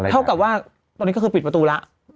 เท่ากับว่าตอนนี้ก็คือปิดประตูแล้ว